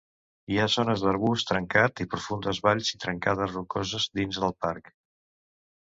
Hi ha zones d'arbust trencat i profundes valls i trencades rocoses dins el parc.